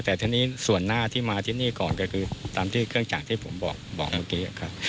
แต่ทีนี้ส่วนหน้าที่มาที่นี่ก่อนก็คือตามที่เครื่องจักรที่ผมบอกเมื่อกี้ครับ